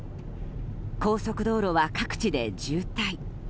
高速道路は各地で渋滞。